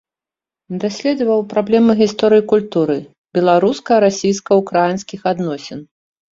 Даследаваў праблемы гісторыі культуры, беларуска-расійска-ўкраінскіх адносін.